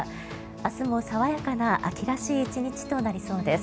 明日も爽やかな秋らしい１日となりそうです。